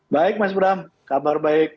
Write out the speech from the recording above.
baik mas bram kabar baik